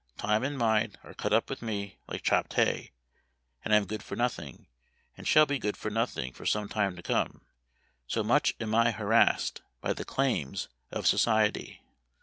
Time and mind are cut up with me like chopped hay, and I am good for nothing, and shall be good for nothing for some time to come, so much am I harassed by the claims of society."